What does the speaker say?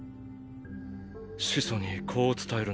始祖にこう伝えるんだ。